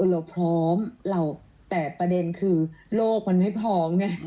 เราพร้อมแต่ประเด็นคือโลกมันไม่พร้อมไง